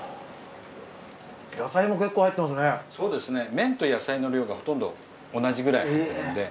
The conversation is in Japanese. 麺と野菜の量がほとんど同じくらいなので。